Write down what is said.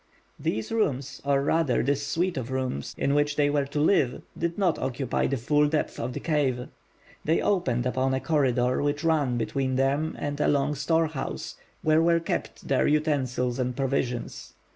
These rooms, or rather this suite of rooms, in which they were to live, did not occupy the full depth of the cave. They opened upon a corridor which ran between them and a long storehouse, where were kept their utensils and provisions.